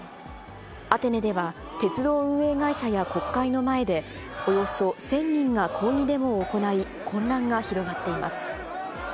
アテネでは鉄道運営会社や国会の前で、およそ１０００人が抗議デモを行い、混乱が広がっています。